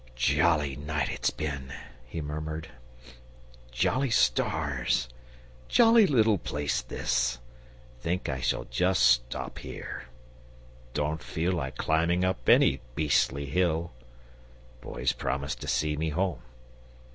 "Jolly night it's been!" he murmured. "Jolly stars! Jolly little place this! Think I shall just stop here. Don't feel like climbing up any beastly hill. Boy's promised to see me home.